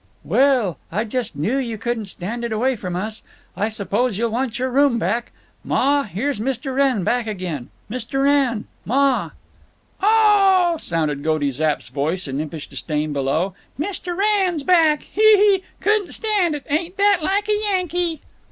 "Well, I just knew you couldn't stand it away from us. I suppose you'll want your room back. Ma, here's Mr. Wrenn back again—Mr. Wrenn! Ma!" "Oh h h h!" sounded Goaty Zapp's voice, in impish disdain, below. "Mr. Wrenn's back. Hee, hee! Couldn't stand it. Ain't that like a Yankee!"